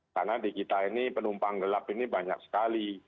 karena di kita ini penumpang gelap ini banyak sekali